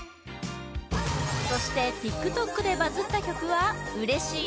そしてＴｉｋＴｏｋでバズった曲は「うれしい！